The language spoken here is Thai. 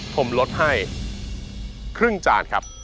ผมลดให้ครึ่งจานครับ